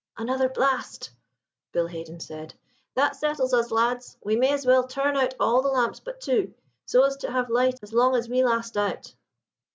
"Another blast," Bill Haden said. "That settles us, lads. We may as well turn out all the lamps but two, so as to have light as long as we last out."